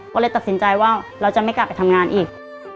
ก็เลยตัดสินใจว่าเราจะไม่กลับไปทำงานอีก